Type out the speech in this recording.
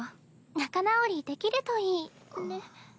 仲直りできるといいね。